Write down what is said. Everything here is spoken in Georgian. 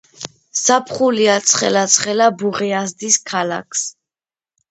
ზაფხულია ცხელა ცხელა ბუღი ასდის ქალაქს